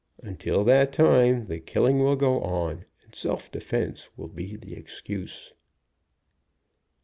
Until that time the killing will go on, and self defense will be the excuse.